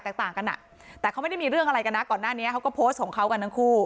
ต่างกันอ่ะแต่เขาไม่ได้มีเรื่องอะไรกันนะก่อนหน้านี้เขาก็โพสต์ของเขากันทั้งคู่